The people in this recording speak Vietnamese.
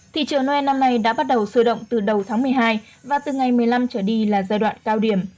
thị trường noel năm nay đã bắt đầu sôi động từ đầu tháng một mươi hai và từ ngày một mươi năm trở đi là giai đoạn cao điểm